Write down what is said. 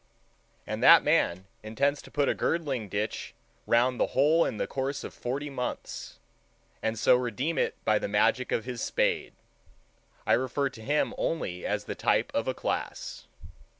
And that man intends to put a girdling ditch round the whole in the course of forty months, and so redeem it by the magic of his spade. I refer to him only as the type of a class.